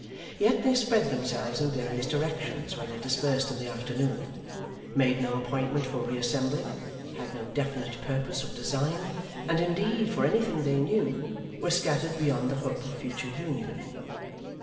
Yet they spread themselves in various directions when they dispersed in the afternoon, made no appointment for reassembling, had no definite purpose or design, and indeed, for anything they knew, were scattered beyond the hope of future union.